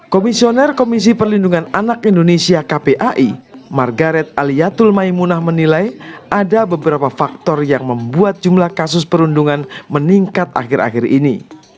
komisioner komisi perlindungan anak indonesia kpai margaret aliatul maimunah menilai ada beberapa faktor yang membuat jumlah kasus perundungan meningkat akhir akhir ini